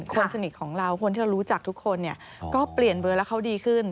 คนสนิทของเราคนที่เรารู้จักทุกคนเนี่ยก็เปลี่ยนเบอร์แล้วเขาดีขึ้น